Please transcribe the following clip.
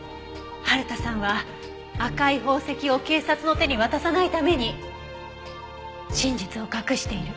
春田さんは赤い宝石を警察の手に渡さないために真実を隠している。